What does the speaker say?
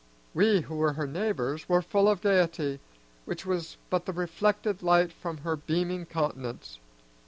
We who were her neighbors were full of gayety, which was but the reflected light from her beaming countenance.